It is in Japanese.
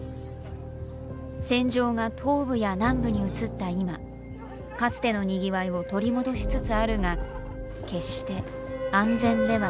戦場が東部や南部に移った今かつてのにぎわいを取り戻しつつあるが決して安全ではない。